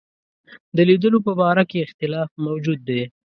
د لیدلو په باره کې اختلاف موجود دی.